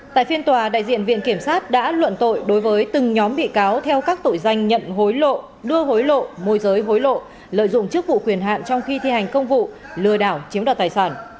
tại phiên tòa đại diện viện kiểm sát đã luận tội đối với từng nhóm bị cáo theo các tội danh nhận hối lộ đưa hối lộ môi giới hối lộ lợi dụng chức vụ quyền hạn trong khi thi hành công vụ lừa đảo chiếm đoạt tài sản